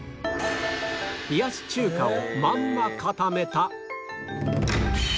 冷やし中華をまんま固めた